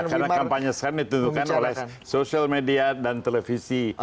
karena kampanye sekarang ditutupkan oleh sosial media dan televisi